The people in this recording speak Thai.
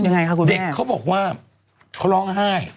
ยังไงค่ะคุณแม่เด็กเค้าบอกว่าเค้าร้องไห้